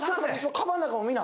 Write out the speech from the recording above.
カバンの中も見な。